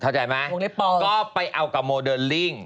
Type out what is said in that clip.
เท่าใจไหมมุมเรียกว่าปอล์ไปเอากับโมเดอริ่ง